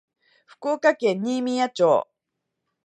福岡県新宮町